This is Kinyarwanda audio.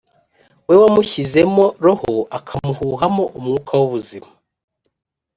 we wamushyizemo roho, akamuhuhamo umwuka w’ubuzima.